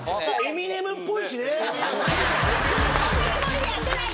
そんなつもりでやってない！